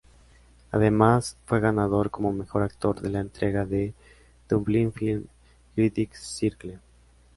Además, fue ganador como Mejor Actor en la entrega de Dublin Film Critics Circle.